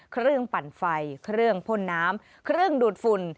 ปั่นไฟเครื่องพ่นน้ำเครื่องดูดฝุ่น